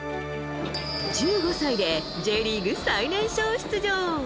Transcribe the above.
１５歳でＪリーグ最年少出場。